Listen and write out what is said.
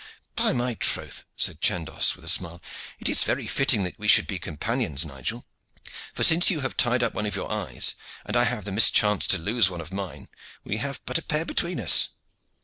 "By my troth!" said Chandos with a smile, "it is very fitting that we should be companions, Nigel, for since you have tied up one of your eyes, and I have had the mischance to lose one of mine, we have but a pair between us.